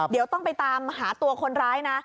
เดี๋ยวต้องไปตามหาตัวคนร้ายนะ